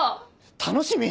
楽しみ！？